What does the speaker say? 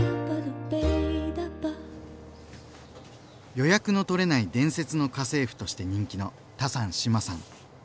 「予約のとれない伝説の家政婦」として人気のタサン志麻さん。